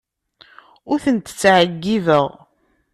Ur tent-ttɛeyyibeɣ.